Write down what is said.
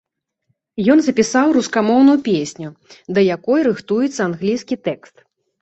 Ён запісаў рускамоўную песню, да якой рыхтуецца англійскі тэкст.